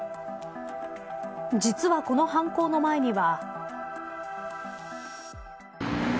実は、この犯行の前には。